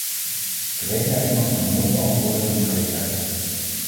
Wreedheid mag men nooit beantwoorden met wreedheid.